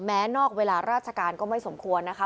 นอกเวลาราชการก็ไม่สมควรนะคะ